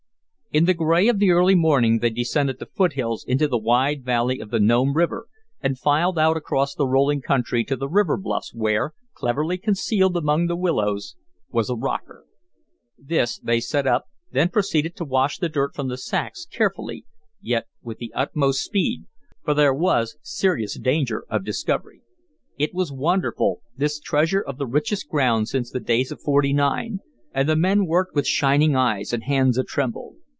In the gray of the early morning they descended the foot hills into the wide valley of the Nome River and filed out across the rolling country to the river bluffs where, cleverly concealed among the willows, was a rocker. This they set up, then proceeded to wash the dirt from the sacks carefully, yet with the utmost speed, for there was serious danger of discovery. It was wonderful, this treasure of the richest ground since the days of '49, and the men worked with shining eyes and hands a tremble.